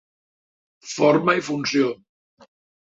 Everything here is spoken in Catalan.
Forma i funció.